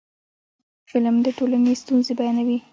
فلم د ټولنې ستونزې بیانوي